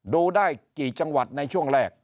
ดูได้กี่จังหวัดในช่วงแรก